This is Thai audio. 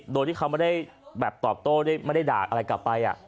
โดยที่เขาไม่ได้แบบตอบโต้ไม่ได้ด่าอะไรกลับไป